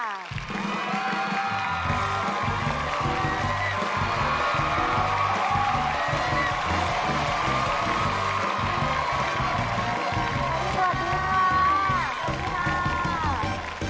ขอบคุณครับ